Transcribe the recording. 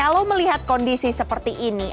kalau melihat kondisi seperti ini